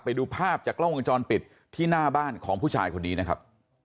ไปดูภาพจากกล้องวงจรปิดที่หน้าบ้านของผู้ชายคนนี้นะครับ